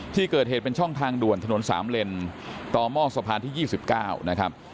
ที่เกิดเหตุเป็นช่องทางด่วนถนน๓เลนต่อหม้อสะพานที่๒๙นะครับ